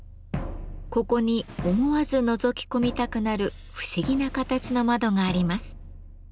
ここに思わずのぞき込みたくなる不思議な形の窓があります。